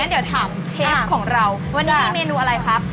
วันนี้ก็จะถามเชฟของเราวันนี้มีเมนูอะไรครับ